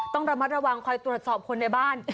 ต้องระมัดระวังคอยตรวจสอบคนในบ้าน